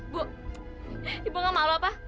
bu ibu malu apa